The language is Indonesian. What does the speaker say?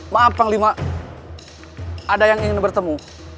maaf panglima ada yang ingin bertemu